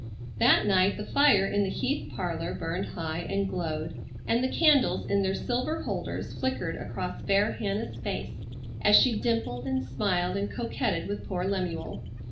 That night the fire in the Heath parlor burned high and glowed, and the candles in their silver holders flickered across fair Hannah's face as she dimpled and smiled and coquetted with poor Lemuel.